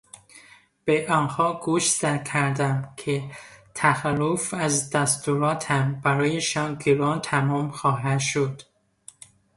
به آنها گوشزد کردم که تخلف از دستوراتم برایشان گران تمام خواهد شد.